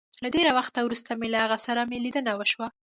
له ډېره وخته وروسته مي له هغه سره مي ليدنه وشوه